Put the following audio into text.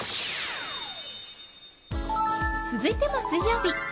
続いても水曜日。